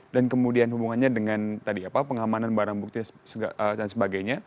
dan kemudian hubungannya dengan tadi apa pengamanan barang bukti dan sebagainya